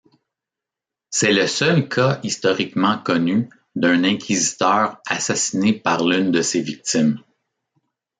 C'est le seul cas historiquement connu d'un inquisiteur assassiné par l'une de ses victimes.